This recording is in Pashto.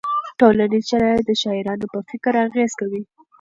ټولنیز شرایط د شاعرانو په فکر اغېز کوي.